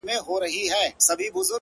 ولاړ انسان به وي ولاړ تر اخریته پوري؛